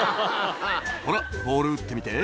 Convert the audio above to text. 「ほらボール打ってみて」